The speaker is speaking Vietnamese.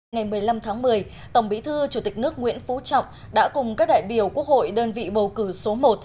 ngày một mươi năm tháng một mươi tổng bí thư chủ tịch nước nguyễn phú trọng đã cùng các đại biểu quốc hội đơn vị bầu cử số một